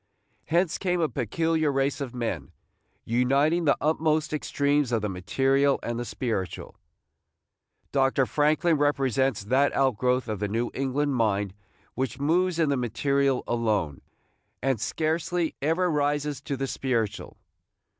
Hence came a peculiar race of men, uniting the utmost extremes of the material and the spiritual. Dr. Franklin represents that outgrowth of the New England mind which moves in the material alone, and scarcely ever rises to the spiritual.